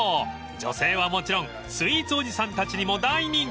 ［女性はもちろんスイーツおじさんたちにも大人気］